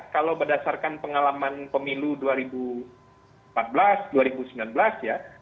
kalau berdasarkan pengalaman pemilu dua ribu empat belas dua ribu sembilan belas ya